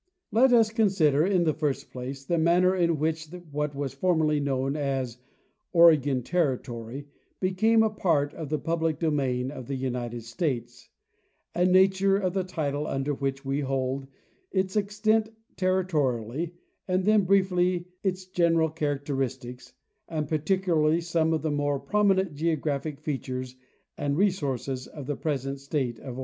Let us consider, in the first place, the manner in which what was formerly known as " Oregon territory " became a part of the public domain of the United States, the nature of the title under which we hold, its extent territorially, and then briefly its gen eral characteristics, and particularly some of the more promi nent geographic features and resources of the present state of Oregon.